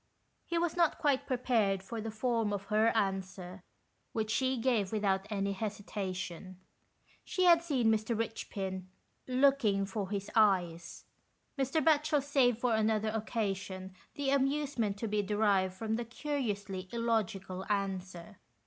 He was not quite prepared for the form of her answer, which she gave without any hesita tion. She had seen Mr. Eichpin "looking for his eyes." Mr. Batchel saved for another occa sion the amusement to be derived from the curiously illogical answer.